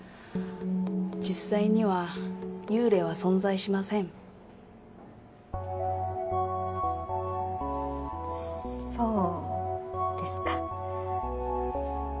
実際には幽霊は存在しませんそうですか